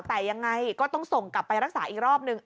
แต่ยังไงก็ต้องส่งกลับไปรักษาอีกรอบนึง